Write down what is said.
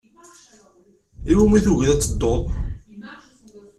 Iwimi tugiḍ ad tedduḍ?